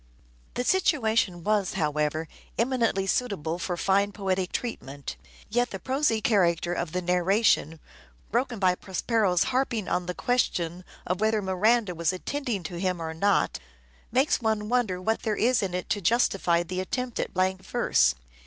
The situation was, however, eminently suitable Literary for fine poetic treatment ; yet the prosy character <luaUty' of the narration, broken by Prospero's harping on the question of whether Miranda was attending to him or not, makes one wonder what there is in it to justify the attempt at blank verse.